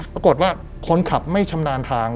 ปรากฏว่าคนขับไม่ชำนาญทาง